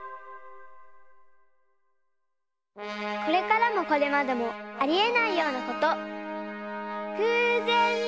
これからもこれまでもありえないようなこと。